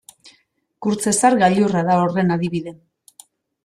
Kurtzezar gailurra da horren adibide.